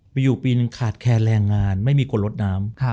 อยู่ปีนึงขาดแคลนแรงงานไม่มีคนลดน้ำ